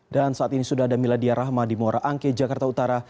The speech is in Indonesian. dan saat ini sudah ada mila diyarahma di mora angke jakarta utara